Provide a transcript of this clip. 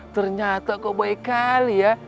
ternyata kau baik kali ya